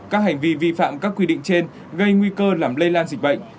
các hành vi vi phạm các quy định trên gây nguy cơ làm lây lan dịch bệnh